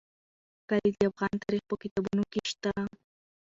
کلي د افغان تاریخ په کتابونو کې شته.